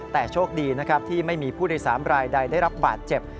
แต่โชคดีนะครับที่ไม่มีผู้โดยสารรายใดได้รับบาดเจ็บ